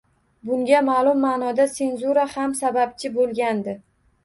Bunga ma’lum ma’noda senzura ham sababchi bo‘lgandi.